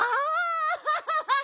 アハハハハ！